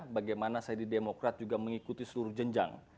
bagaimana saya di demokrat juga mengikuti seluruh jenjang